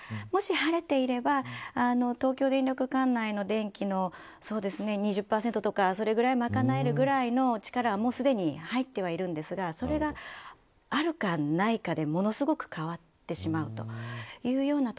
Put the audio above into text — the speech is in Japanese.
もし晴れていれば東京電力管内の電気の２０％とか、それぐらいがまかなえるくらいの力はもうすでに入ってはいるんですがそれが、あるかないかでものすごく変わってしまうと。